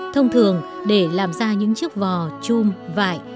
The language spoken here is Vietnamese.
thông thường để làm ra những chiếc vò chum vải